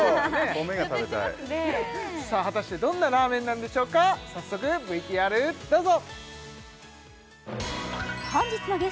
米が食べたい果たしてどんなラーメンなんでしょうか早速ＶＴＲどうぞ！